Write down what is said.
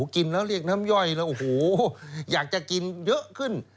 กินแล้วเรียกน้ำย่อยอยากจะกินเยอะขึ้น